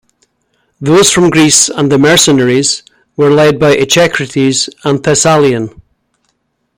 Those from Greece and the mercenaries were led by Echecrates the Thessalian.